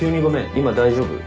今大丈夫？